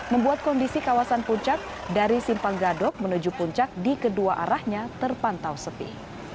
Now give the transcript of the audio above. membuat kondisi kawasan puncak dari simpang gadok menuju puncak di kedua arahnya terpantau sepi